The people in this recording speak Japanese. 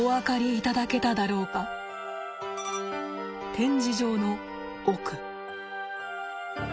展示場の奥。